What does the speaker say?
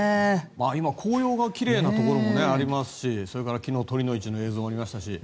今、紅葉がきれいなところもありますしそれから昨日酉の市の映像もありましたし。